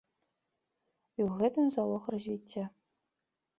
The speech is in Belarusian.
І ў гэтым залог развіцця.